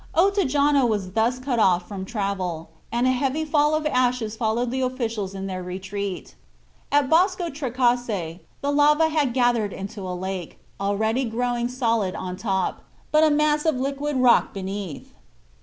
Ottajano was thus cut off from travel, and a heavy fall of ashes followed the officials in their retreat. At Bosco Trecase the lava had gathered into a lake, already growing solid on top, but a mass of liquid rock beneath.